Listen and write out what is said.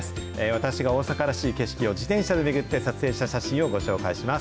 私が大阪らしい景色を自転車で巡って撮影した写真がご紹介します。